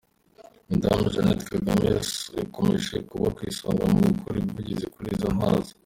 Madame Janete Kagame yakomeje kuba ku isonga mu gukora ubuvugizi kuri izo Ntwaza.